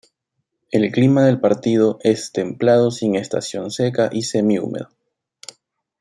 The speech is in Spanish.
El clima del partido es templado sin estación seca y semihúmedo.